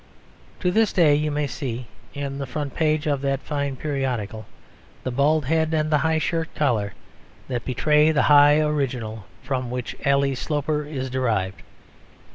To this day you may see (in the front page of that fine periodical) the bald head and the high shirt collar that betray the high original from which "Ally Sloper" is derived.